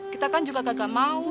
kita kan juga gagal mau